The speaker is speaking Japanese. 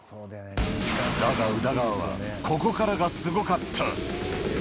だが宇田川は、ここからがすごかった。